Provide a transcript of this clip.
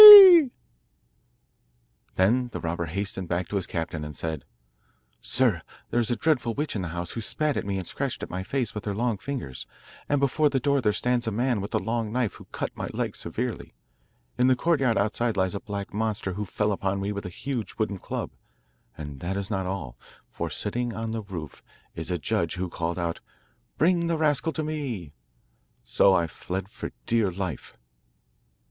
Then the robber hastened back to his captain and said: 'Sir, there is a dreadful witch in the house, who spat at me and scratched my face with her long fingers; and before the door there stands a man with a long knife, who cut my leg severely. In the courtyard outside lies a black monster, who fell upon me with a huge wooden club; and that is not all, for, sitting on the roof, is a judge, who called out: "Bring the rascal to me." So I fled for dear life.